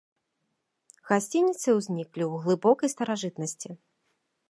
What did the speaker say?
Гасцініцы ўзніклі ў глыбокай старажытнасці.